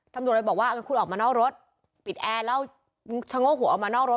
ตำรวจเลยบอกว่าคุณออกมานอกรถปิดแอร์แล้วชะโงกหัวออกมานอกรถ